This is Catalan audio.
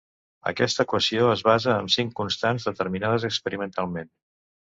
Aquesta equació es basa en cinc constants determinades experimentalment.